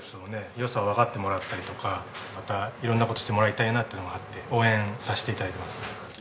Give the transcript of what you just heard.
良さをわかってもらったりとかまた色んな事してもらいたいなっていうのがあって応援させて頂いてます。